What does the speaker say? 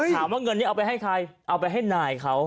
เงินนี้เอาไปให้ใครเอาไปให้นายเขา